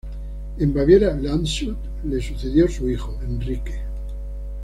En Baviera-Landshut le sucedió su hijo, Enrique.